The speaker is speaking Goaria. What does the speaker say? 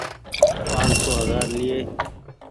پآن سو هزآر ليئي۔